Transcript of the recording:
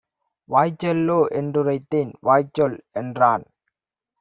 வாய்ச்சொல்லோ என்றுரைத்தேன். வாய்ச்சொல்என்றான்.